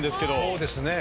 そうですね。